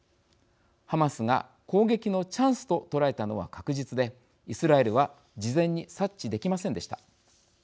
ハマスが、攻撃のチャンスと捉えたのは確実でイスラエルは事前に察知できませんでした。